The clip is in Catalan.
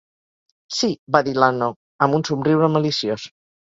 "Sí", va dir l'Hanaud, amb un somriure maliciós.